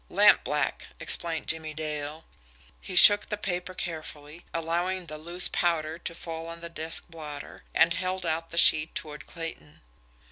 "Lampblack," explained Jimmie Dale. He shook the paper carefully, allowing the loose powder to fall on the desk blotter and held out the sheet toward Clayton.